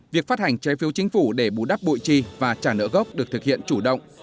việc phát hành trái phiếu chính phủ để bù đắp bội chi và trả nợ gốc được thực hiện chủ động